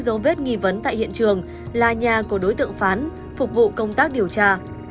dấu vết nghi vấn tại hiện trường là nhà của đối tượng phán phục vụ công tác điều tra